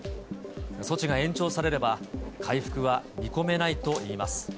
措置が延長されれば、回復は見込めないといいます。